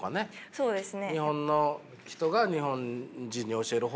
そうですね。